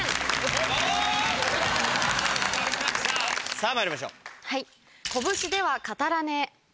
さぁまいりましょう。